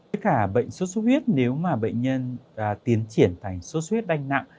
tất cả bệnh số suất huyết nếu mà bệnh nhân tiến triển thành số suất huyết đanh nặng